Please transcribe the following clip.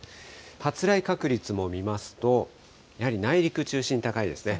発雷確率も見ますと、やはり内陸中心に高いですね。